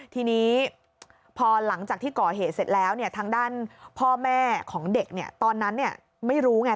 ทีนี้พอหลังจากที่ก่อเหตุเสร็จแล้วทางด้านพ่อแม่ของเด็กตอนนั้นไม่รู้ไง